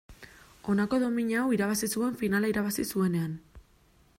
Honako domina hau irabazi zuen finala irabazi zuenean.